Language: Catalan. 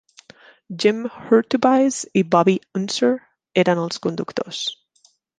Jim Hurtubise i Bobby Unser eren els conductors.